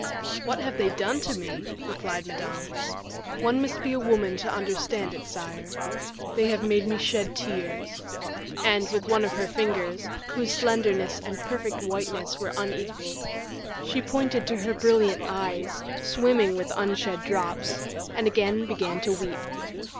"What have they done to me?" replied Madame. "One must be a woman to understand it, sire they have made me shed tears;" and, with one of her fingers, whose slenderness and perfect whiteness were unequaled, she pointed to her brilliant eyes swimming with unshed drops, and again began to weep.